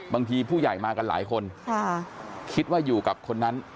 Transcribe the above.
ผู้ใหญ่มากันหลายคนคิดว่าอยู่กับคนนั้น